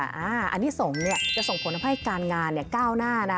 อันนี้ส่งจะส่งผลทำให้การงานก้าวหน้านะ